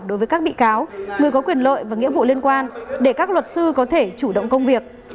đối với các bị cáo người có quyền lợi và nghĩa vụ liên quan để các luật sư có thể chủ động công việc